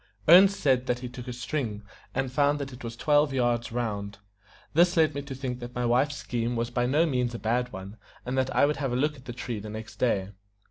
Ernest said that he took a string, and found that it was twelve yards round. This led me to think that my wife's scheme was by no means a bad one, and that I would have a look at the tree the next day.